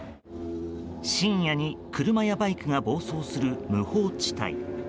深夜に車やバイクが暴走する無法地帯。